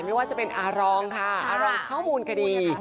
ไม่ว่าจะเป็นอารองค่ะอารองข้อมูลคดี